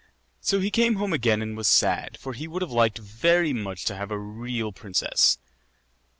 So he came home again and was sad, for he would have liked very much to have a real princess.